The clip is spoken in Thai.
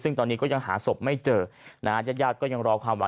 ซึ่งตอนนี้ก็ยังหาศพไม่เจอยัดยัดก็ยังรอความหวัง